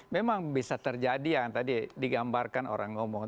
memang bisa terjadi yang tadi digambarkan orang ngomong